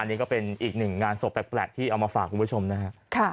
นี่ก็เป็นอีกหนึ่งงานศพแปลกที่เอามาฝากคุณผู้ชมนะฮะ